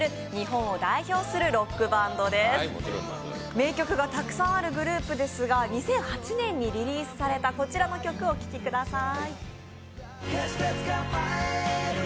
名曲がたくさんあるグループですが２００８年にリリースされたこちらの曲をお聴きください。